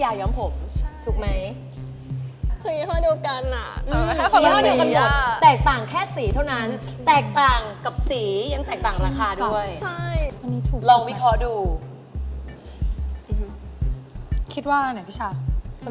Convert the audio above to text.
ว่าแบบเอ๊ะอันนี้ราคาอะไรยังไง